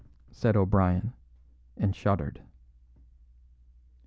said O'Brien, and shuddered.